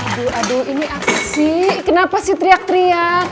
aduh aduh ini apa sih kenapa sih teriak teriak